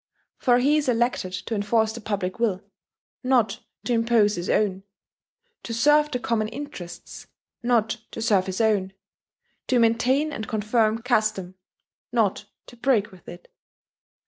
For he is elected to enforce the public will, not to impose his own, to serve the common interests, not to serve his own, to maintain and confirm custom, not to break with it.